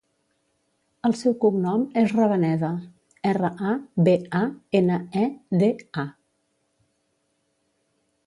El seu cognom és Rabaneda: erra, a, be, a, ena, e, de, a.